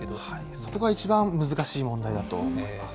そこが一番難しい問題だと思います。